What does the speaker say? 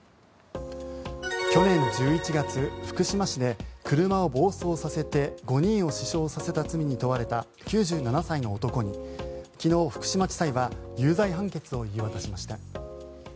去年１１月、福島市で車を暴走させて５人を死傷させた罪に問われた９７歳の男に昨日、福島地裁は有罪判決を言い渡しました。